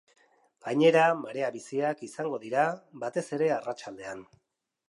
Gainera, marea biziak izango dira, batez ere arratsaldean.